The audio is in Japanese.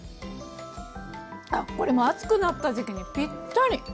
あっこれ暑くなった時期にぴったり。